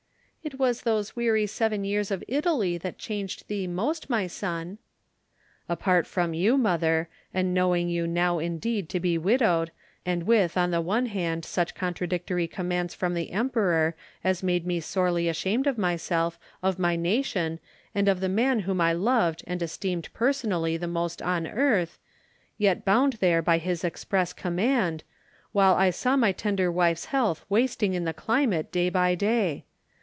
"It was those weary seven years of Italy that changed thee most, my son." "Apart from you, mother, and knowing you now indeed to be widowed, and with on the one hand such contradictory commands from the Emperor as made me sorely ashamed of myself, of my nation, and of the man whom I loved and esteemed personally the most on earth, yet bound there by his express command, while I saw my tender wife's health wasting in the climate day by day!